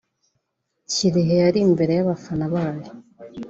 Kirehe yari mbere y’abafana bayo